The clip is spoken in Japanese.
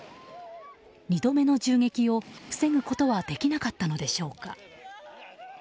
２度目の銃撃を防ぐことはできなかったのでしょうか。